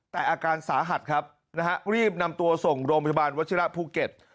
แต่อาการสาหัสครับนะฮะรีบนำตัวส่งโรงพยาบาลวัชิระภูเก็ต